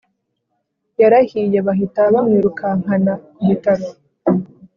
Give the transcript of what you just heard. Yarahiye bahita bamwirukankana ku bitaro